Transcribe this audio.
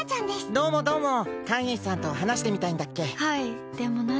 どうもどうも、飼い主さんと話してみたいんだっけ。